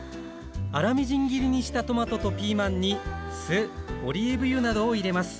粗みじん切りにしたトマトとピーマンに酢オリーブ油などを入れます。